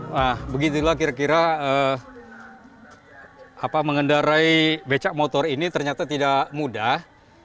nah begitulah kira kira mengendarai becak motor ini ternyata tidak mudah